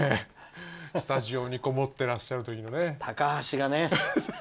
スタジオにこもってらっしゃる時のね。